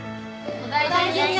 お大事に。